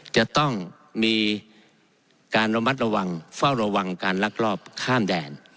จะต้องมีการระมัดระวังเฝ้าระวังการลักลอบข้ามแดน